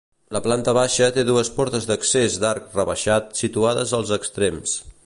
La planta baixa té dues portes d'accés d'arc rebaixat situades als extrems.